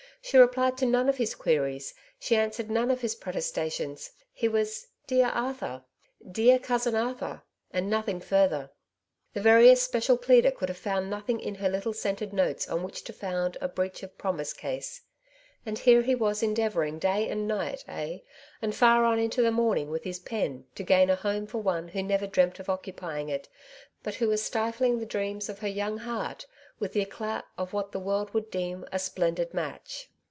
She replied to none of his queries, she answered none of his protestations; he was " dear Arthur,^* /' dear cousin Arthur/^ and nothing further. The veriest special pleader could have found nothing in her little scented notes on which to found a '^ breach of promise '^ case. And here was he endeavouring 1 122 " Tivo Sides to every Question'* day and night, eh, and far on into the morning, with his pen, to gain a home for one who never dreamt of occupying it, but who was stifling the dreams of her young heart with the ecldt of what the world would deem a splendid match.